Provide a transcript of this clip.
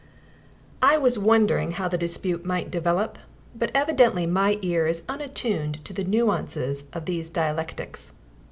I was wondering how the dispute might develop, but evidently my ear is unattuned to the nuances of these dialectics.